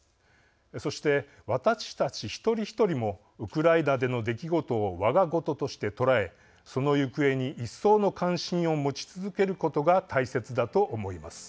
そして、私たち一人一人もウクライナでの出来事をわが事として捉え、その行方に一層の関心を持ち続けることが大切だと思います。